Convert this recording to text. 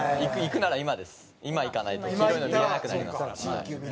今行かないと黄色いの見れなくなりますから。